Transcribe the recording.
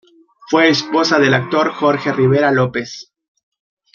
Fue esposa del actor Jorge Rivera López.